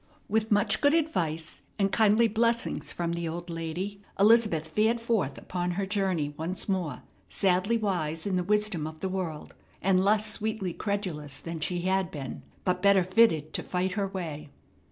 With much good advice and kindly blessings from the old lady, Elizabeth fared forth upon her journey once more, sadly wise in the wisdom of the world, and less sweetly credulous than she had been, but better fitted to fight her way.